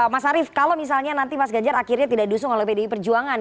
mas arief kalau misalnya nanti mas ganjar akhirnya tidak diusung oleh pdi perjuangan